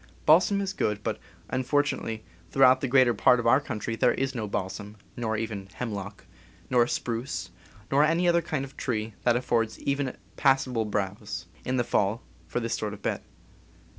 Balsam is good; but, unfortunately, throughout the greater part of our country there is no balsam, nor even hemlock, nor spruce, nor any other kind of tree that affords even passable browse, in the fall, for this sort of bed.